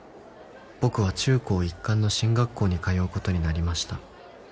「僕は中高一貫の進学校に通うことになりました」